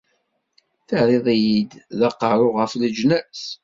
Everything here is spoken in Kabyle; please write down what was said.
Terriḍ-iyi d aqerru ɣef leǧnas.